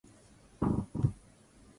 Katakata vizuri viazi lishe na kuvimenya